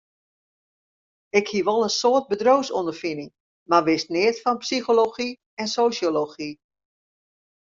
Ik hie wol in soad bedriuwsûnderfining, mar wist neat fan psychology en sosjology.